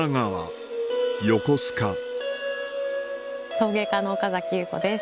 陶芸家の岡崎裕子です。